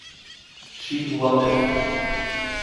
She love it.